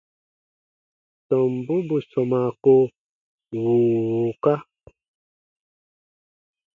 Tɔmbu bù sɔmaa ko wùu wùuka.